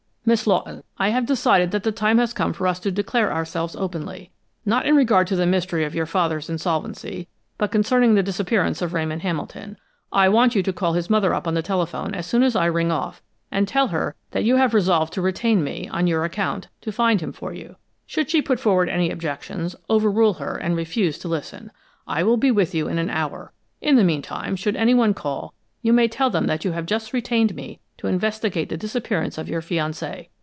"Miss Lawton, I have decided that the time has come for us to declare ourselves openly not in regard to the mystery of your father's insolvency, but concerning the disappearance of Ramon Hamilton. I want you to call his mother up on the telephone as soon as I ring off, and tell her that you have resolved to retain me, on your account, to find him for you. Should she put forward any objections, over rule her and refuse to listen. I will be with you in an hour. In the meantime, should anyone call, you may tell them that you have just retained me to investigate the disappearance of your fiancé.